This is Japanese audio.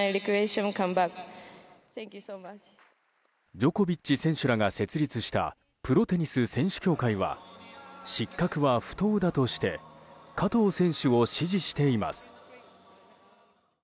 ジョコビッチ選手らが設立したプロテニス選手協会は失格は不当だとして加藤選手を支持しています。